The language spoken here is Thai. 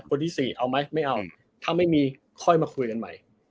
ที่๔เอาไหมไม่เอาถ้าไม่มีค่อยมาคุยกันใหม่